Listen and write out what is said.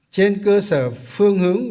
trên cơ sở phương hướng